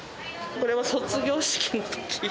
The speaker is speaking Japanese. これは卒業式のとき。